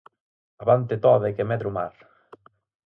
Avante toda e que medre o mar!